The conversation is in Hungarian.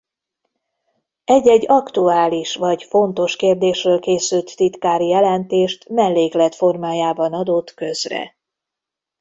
Egy-egy aktuális vagy fontos kérdésről készült titkári jelentést melléklet formájában adott közre.